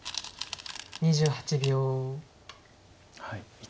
２８秒。